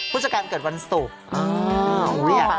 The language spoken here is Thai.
พุชกาลเกิดวันสุด